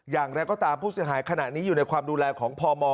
อย่างไรก็ตามผู้เสียหายขณะนี้อยู่ในความดูแลของพม